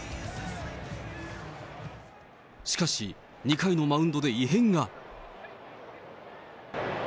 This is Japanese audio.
しかし、２回のマウンドで異変が。